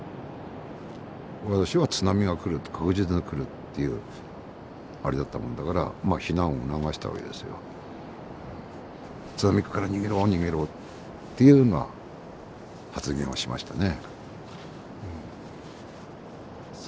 私は津波が来ると確実に来るっていうあれだったもんだからまあ避難を促したわけですよ。っていうような発言をしましたね。